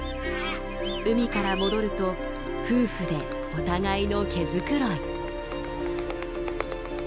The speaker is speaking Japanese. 海から戻ると夫婦でお互いの毛繕い。